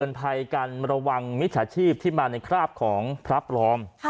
ภัยการระวังมิจฉาชีพที่มาในคราบของพระปลอม